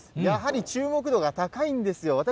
やはり注目度が高いんですよ。